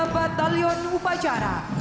tiga batalion upacara